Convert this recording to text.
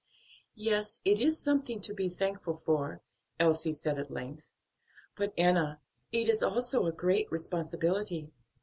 "Yes; it is something to be thankful for," Elsie said at length, "but, Enna, it is also a great responsibility.